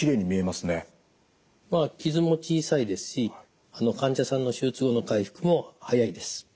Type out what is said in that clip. まあ傷も小さいですし患者さんの手術後の回復も早いです。